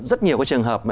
rất nhiều cái trường hợp